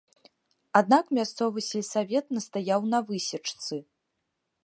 Аднак мясцовы сельсавет настаяў на высечцы.